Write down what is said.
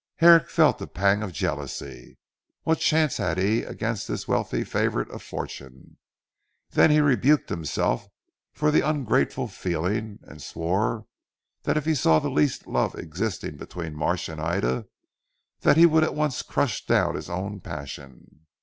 Herrick felt a pang of jealousy. What chance had he against this wealthy favourite of fortune. Then he rebuked himself for the ungrateful feeling and swore if he saw the least love existing between Marsh and Ida that he would at once crush down his own passion.